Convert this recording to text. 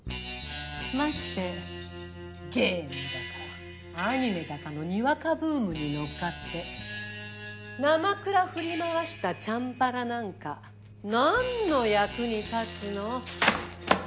ましてゲームだかアニメだかのにわかブームに乗っかってなまくら振り回したチャンバラなんか何の役に立つの？